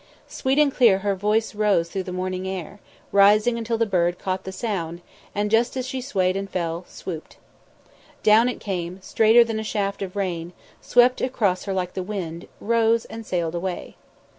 Sweet and clear her voice rose through the morning air, rising until the bird caught the sound and, just as she swayed and fell, swooped. Down it came, straighter than a shaft of rain; swept across her like the wind; rose; and sailed away.